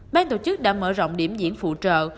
ban tổ chức đã mở rộng điểm diễn phụ trợ